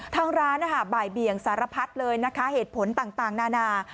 ทางร้านบ่ายเบี่ยงสารพัดเลยนะคะเหตุผลต่างนานา